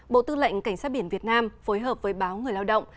bộ tư lệnh cảnh sát biển việt nam phối hợp với báo người lao động